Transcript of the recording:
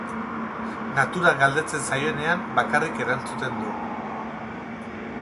Naturak galdetzen zaionean bakarrik erantzuten du.